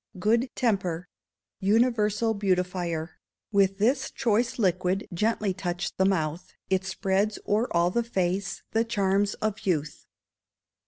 Good Temper Universal Beautifier. With this choice liquid gently touch the mouth, It spreads o'er all the face the charms of youth.